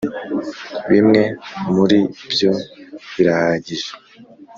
bimwe muri byo birahagije .